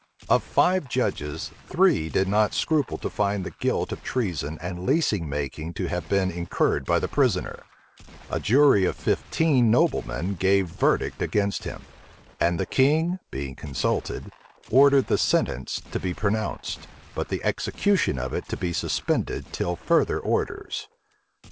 Of five judges, three did not scruple to find the guilt of treason and leasing making to have been incurred by the prisoner: a jury of fifteen noblemen gave verdict against him: and the king, being consulted, ordered the sentence to be pronounced, but the execution of it to be suspended till further orders.